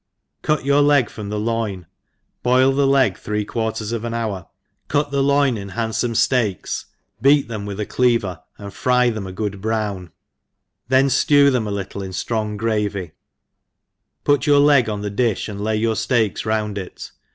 CUT yoiir leg from the loin, boil the 4eg three quarters of anhour, cut the loin in hand ibmc ftcaks, beat them with a cleaver, and fry them'a*g6od browh, then ftew them a little in ftrbhg gravy, put your leg on the difti, and lay your fteaks round it